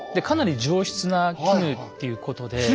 かなり上質な絹っていうことで。